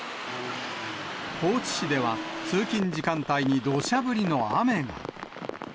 高知市では、通勤時間帯にどしゃ降りの雨が。